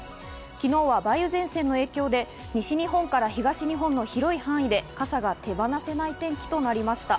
昨日は梅雨前線の影響で西日本から東日本の広い範囲で傘が手放せない天気となりました。